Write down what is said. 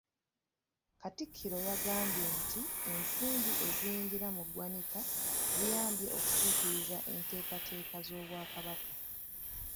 Katikkiro yagambye nti ensimbi eziyingira mu ggwanika ziyambye okutuukiriza enteekateeka z’Obwakabaka.